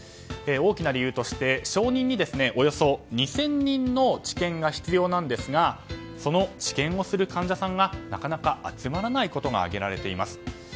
大きな理由として承認におよそ２０００人の治験が必要なんですがその治験をする患者さんがなかなか集まらないことが挙げられています。